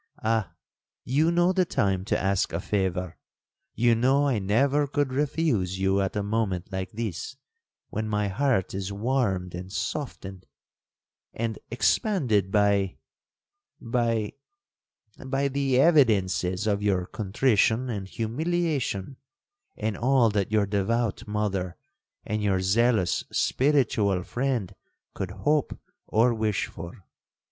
Ah! you know the time to ask a favour—you know I never could refuse you at a moment like this, when my heart is warmed, and softened, and expanded, by—by—by the evidences of your contrition and humiliation, and all that your devout mother, and your zealous spiritual friend, could hope or wish for.